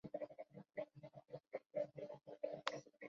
圣乌昂德塞谢鲁夫尔。